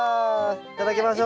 いただきましょう。